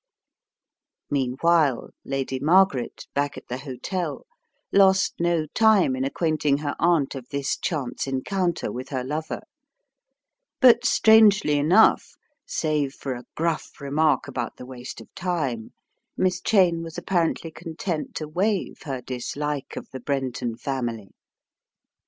Meanwhile, Lady Margaret, back at the hotel, lost no time in acquainting her aunt of this chance encounter with her lover, but strangely enough, save for a gruff remark about the waste of time, Miss Cheyne was apparently content to waive her dislike of the Brenton family.